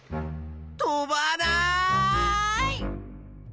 飛ばない！